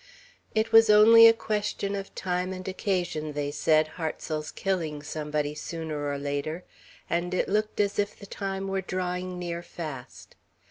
"It was only a question of time and occasion," they said, "Hartsel's killing somebody sooner or later;" and it looked as if the time were drawing near fast.